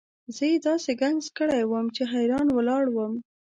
زه یې داسې ګنګس کړی وم چې حیران ولاړ وم.